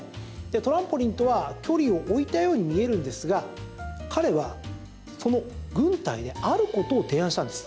トランポリンとは距離を置いたようにみえるんですが彼はその軍隊であることを提案したんです。